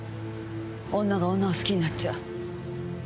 女が女を好きになっちゃ。